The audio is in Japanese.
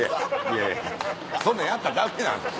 いやいやそんなんやったらダメなんですよ。